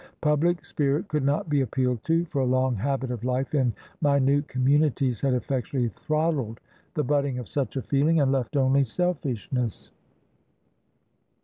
PubHc spirit could not be appealed to, for long habit of Hfe in minute com munities had effectually throttled the budding of such a feeling, and left only selfishness.